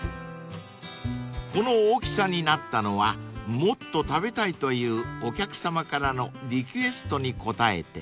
［この大きさになったのはもっと食べたいというお客さまからのリクエストに応えて］